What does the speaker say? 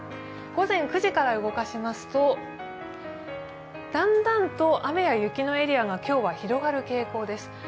午前９時から動かしますとだんだんと雨や雪のエリアが今日は広がる傾向です。